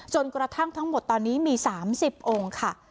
จนกระทั่งทั้งหมดตอนนี้มี๓๐องค์ค่ะ